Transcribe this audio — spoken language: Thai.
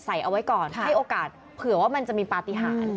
เอาไว้ก่อนให้โอกาสเผื่อว่ามันจะมีปฏิหาร